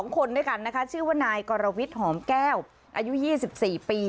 คนด้วยกันนะคะชื่อว่านายกรวิทย์หอมแก้วอายุ๒๔ปี